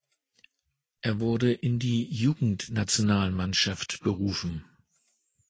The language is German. Er wurde in die Jugendnationalmannschaft berufen.